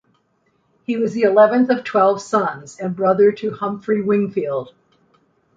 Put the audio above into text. He was the eleventh of twelve sons; and brother to Humphrey Wingfield.